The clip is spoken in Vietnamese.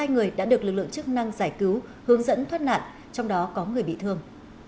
một mươi người đã được lực lượng chức năng giải cứu hướng dẫn thoát nạn trong đó có người bị thương